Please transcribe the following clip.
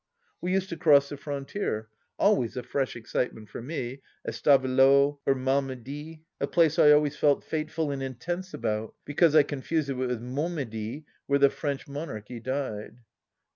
We used to cross the frontier — always a fresh excite ment for me — ^at Stavelot or Malmedy, a place I always felt fateful and intense about, because I confused it with Mont medy, where the French Monarchy died.